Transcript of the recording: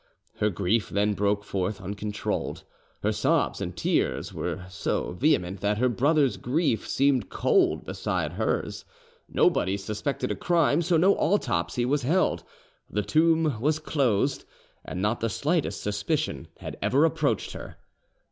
Her grief then broke forth uncontrolled. Her sobs and tears were so vehement that her brothers' grief seemed cold beside hers. Nobody suspected a crime, so no autopsy was held; the tomb was closed, and not the slightest suspicion had approached her.